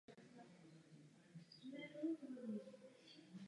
Dle mého názoru je důležitější zaměřit se na úsporu zdrojů.